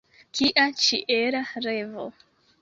Kia ĉiela revo!